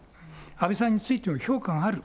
安倍さんについても評価がある。